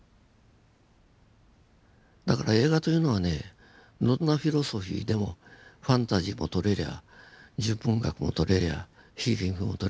だから映画というのはねどんなフィロソフィーでもファンタジーも撮れりゃ純文学も撮れりゃ悲劇も撮れるんです。